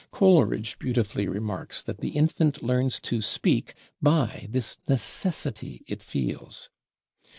Coleridge beautifully remarks that the infant learns to speak by this necessity it feels.